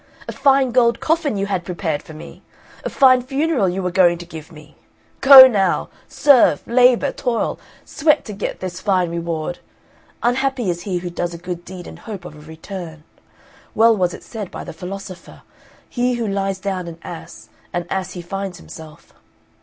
A fine gold coffin you had prepared for me! A fine funeral you were going to give me! Go, now! serve, labour, toil, sweat to get this fine reward! Unhappy is he who does a good deed in hope of a return. Well was it said by the philosopher, He who lies down an ass, an ass he finds himself.'